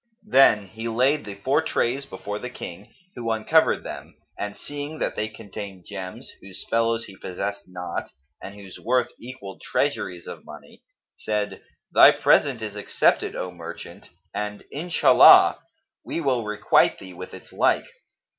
Then he laid the four trays before the King, who uncovered them and seeing that they contained gems, whose fellows he possessed not and whose worth equalled treasuries of money, said, "Thy present is accepted, O merchant, and Inshallah! we will requite thee with its like."